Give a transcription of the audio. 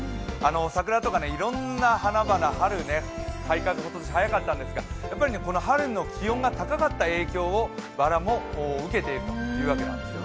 桜とかいろんな花々春、開花が今年早かったんですがやはり、春の気温が高かった影響をバラも受けているというわけなんです。